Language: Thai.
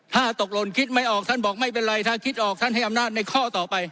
ถ้าตกหล่นคิดไม่ออกท่านบอกไม่เป็นไรถ้าคิดออกท่านให้อำนาจในข้อต่อไป